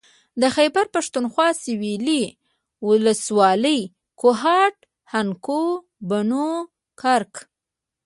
د خېبر پښتونخوا سوېلي ولسوالۍ کوهاټ هنګو بنو کرک